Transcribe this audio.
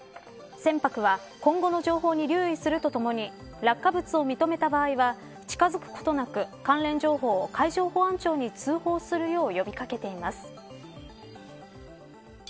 船舶は、今後の情報に留意するとともに落下物を認めた場合は近づくことなく関連情報を海上保安庁に通報するよう呼び掛けています。